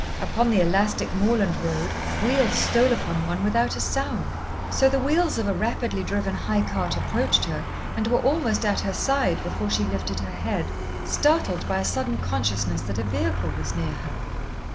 Upon the elastic moorland road wheels stole upon one without sound. So the wheels of a rapidly driven high cart approached her and were almost at her side before she lifted her head, startled by a sudden consciousness that a vehicle was near her.